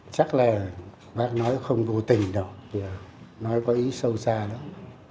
chắc là bác nói không vô tình đâu nói có ý sâu xa lắm